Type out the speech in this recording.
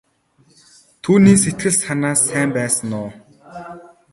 Түүний сэтгэл санаа сайн байсан уу?